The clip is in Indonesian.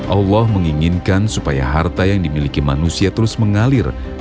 allah menginginkan supaya harta yang dimiliki manusia terus mengalir